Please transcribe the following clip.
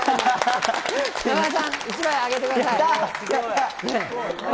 山田さん、１枚あげてくださやった！